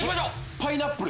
パイナップル？